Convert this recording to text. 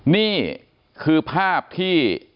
นี่คือภาพที่